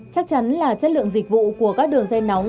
chắc chắn là chất lượng dịch vụ của các đường dây nóng